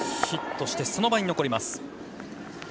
ヒットして、その場に残ります。